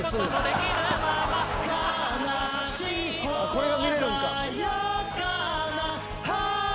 これが見れるんか。